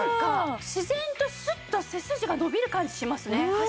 自然とスッと背筋が伸びる感じしますね。